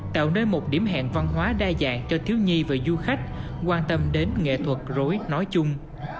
tạo nên một điểm hẹn văn hóa đa dạng cho thiếu nhi và du khách quan tâm đến nghệ thuật rối nói chung